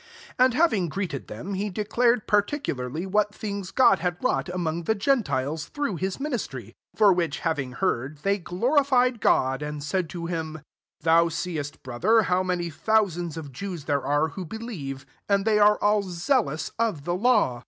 19 And having greeted them, he declared par ticularly what things God had wrought among the gentiles through his ministry: 20 /or wAichj having heard, they glori fied God, and said to him, ^^Thou seest, brother, how many thou* sands of Jews there are who be lieve; and they are all sealou^ of the law.